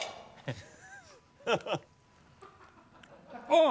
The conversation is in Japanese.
ああ！